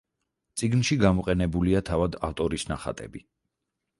წიგნში გამოყენებულია თავად ავტორის ნახატები.